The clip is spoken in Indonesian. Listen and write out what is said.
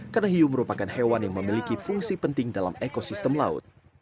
karena hiu merupakan hewan yang memiliki fungsi penting dalam ekosistem laut